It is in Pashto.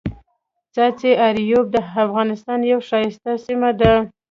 ځاځي اریوب دافغانستان یوه ښایسته سیمه ده.